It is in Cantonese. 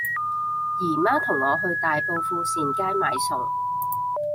姨媽同我去大埔富善街買餸